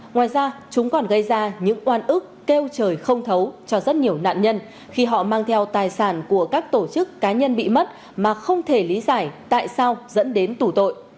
ngoài ra chúng còn gây ra những oan ức kêu trời không thấu cho rất nhiều nạn nhân khi họ mang theo tài sản của các tổ chức cá nhân bị mất mà không thể lý giải tại sao dẫn đến tủ tội